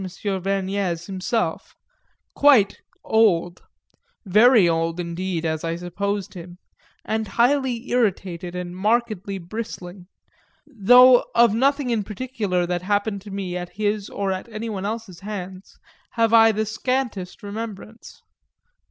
Vergnès himself quite "old," very old indeed as I supposed him, and highly irritated and markedly bristling; though of nothing in particular that happened to me at his or at anyone's else hands have I the scantest remembrance.